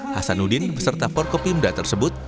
hasan udin beserta forkopimda tersebut